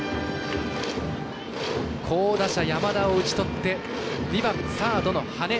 好打者、山田を打ち取って２番サードの羽根。